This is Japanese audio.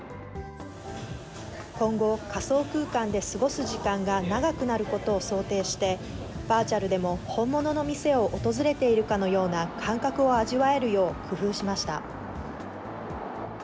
今後、仮想空間で過ごす時間が長くなることを想定して、バーチャルでも本物の店を訪れているかのような感覚を味わえるよう工夫しました。